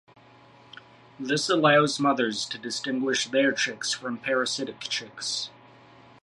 This allows mothers to distinguish their chicks from parasitic chicks.